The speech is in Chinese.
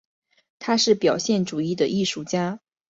他是表现主义的艺术家。